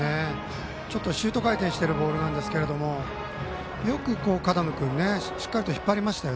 ちょっとシュート回転しているボールなんですがよく角野君しっかりと引っ張りました。